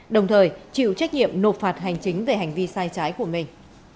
đồng thời chịu trách nhiệm nộp phạt hành chính về hành vi sai trái của mình